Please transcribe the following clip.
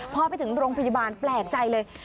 พอไปถึงโรงพยาบาลแปลกใจเลย